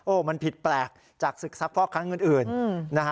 โอ้มันผิดแปลกจากศึกทรัพย์ฟอร์ครั้งอื่น